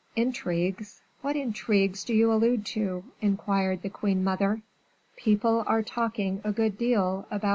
"Intrigues! What intrigues do you allude to?" inquired the queen mother. "People are talking a good deal about M.